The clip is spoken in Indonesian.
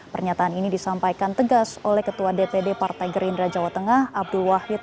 pernyataan ini disampaikan tegas oleh ketua dpd partai gerindra jawa tengah abdul wahid